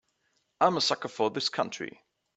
I'm a sucker for this country.